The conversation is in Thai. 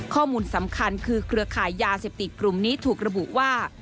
ข้อมูลสำคัญคือเครือขายยาเสพติดกลุ่มนี้ถูกระบุว่า